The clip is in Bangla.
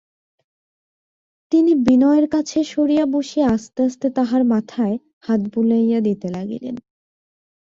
তিনি বিনয়ের কাছে সরিয়া বসিয়া আস্তে আস্তে তাহার মাথায় হাত বুলাইয়া দিতে লাগিলেন।